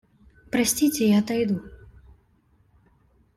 Простите, я отойду.